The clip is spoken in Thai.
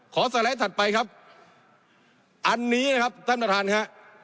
สไลด์ถัดไปครับอันนี้นะครับท่านประธานครับ